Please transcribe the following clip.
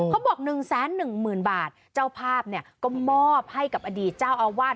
บอก๑๑๐๐๐บาทเจ้าภาพเนี่ยก็มอบให้กับอดีตเจ้าอาวาส